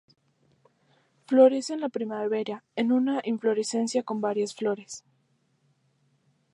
Florece en la primavera en una inflorescencia con varias flores.